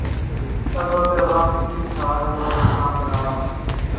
کاندھوں پہ غم کی شال ہے اور چاند رات ہ